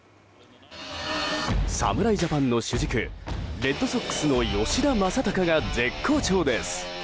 侍ジャパンの主軸レッドソックスの吉田正尚が絶好調です。